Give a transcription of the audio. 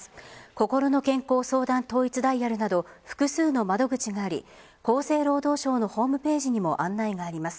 こころの健康相談統一ダイヤルなど複数の窓口があり厚生労働省のホームページにも案内があります。